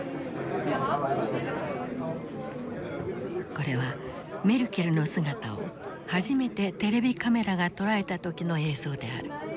これはメルケルの姿を初めてテレビカメラが捉えた時の映像である。